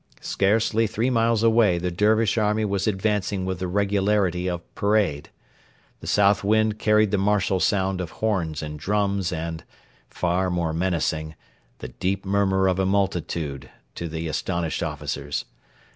Scarcely three miles away the Dervish army was advancing with the regularity of parade. The south wind carried the martial sound of horns and drums and far more menacing the deep murmur of a multitude to the astonished officers.